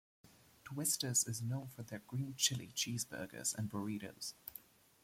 Twisters is known for their green chile cheeseburgers and burritos.